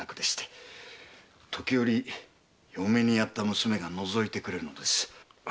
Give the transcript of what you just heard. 時折嫁にやった娘がのぞいてくれるのです。